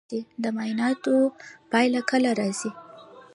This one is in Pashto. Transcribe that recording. د معایناتو پایله کله راځي؟